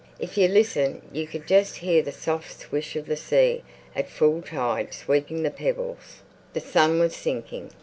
If you listened you could just hear the soft swish of the sea at full tide sweeping the pebbles. The sun was sinking.